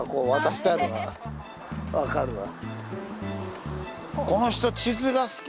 分かるわ。